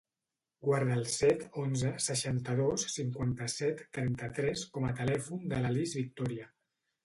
Guarda el set, onze, seixanta-dos, cinquanta-set, trenta-tres com a telèfon de la Lis Vitoria.